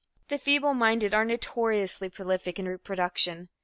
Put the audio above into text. The feebleminded are notoriously prolific in reproduction.